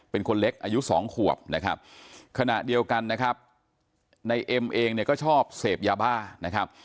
เป็นคนเล็กอายุสองขวบนะครับขณะเดียวกันนะครับในเอ็มเองเนี่ยก็ชอบเสพยาบ้านะครับ